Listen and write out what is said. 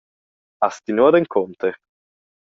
Has ti nuot encunter?